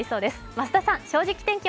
増田さん「正直天気」